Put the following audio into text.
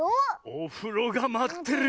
「おふろがまってるよ」。